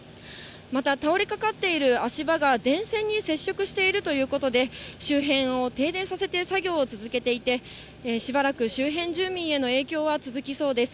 また、倒れかかっている足場が電線に接触しているということで、周辺を停電させて作業を続けていて、しばらく周辺住民への影響は続きそうです。